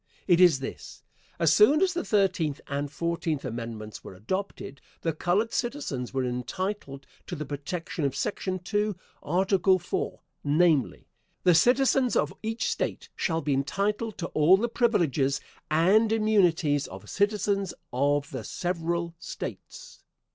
It is this: As soon as the Thirteenth and Fourteenth Amendments were adopted the colored citizen was entitled to the protection of section two, article four, namely: "The citizens of each State shall be entitled to all the privileges and immunities of citizens of the several States."